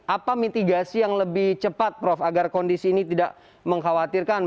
apa mitigasi yang lebih cepat prof agar kondisi ini tidak mengkhawatirkan